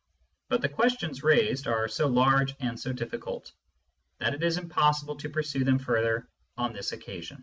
But the questions raised are so large and so diflScult that it is impossible to pursue them further on this occasion.